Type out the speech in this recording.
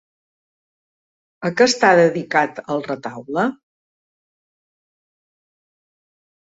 A què està dedicat el retaule?